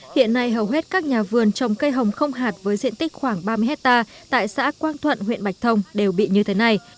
hiện nay hầu hết các nhà vườn trồng cây hồng không hạt với diện tích khoảng ba mươi hectare tại xã quang thuận huyện bạch thông đều bị như thế này